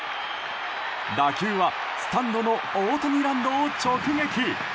打球はスタンドのオオタニランドを直撃！